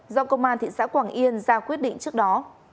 do công an thị xã quảng yên ra quyết định trước đó